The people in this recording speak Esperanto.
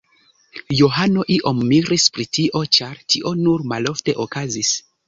Johano iom miris pri tio, ĉar tio nur malofte okazis.